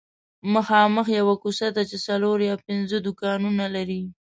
مخامخ یوه کوڅه ده چې څلور یا پنځه دوکانونه لري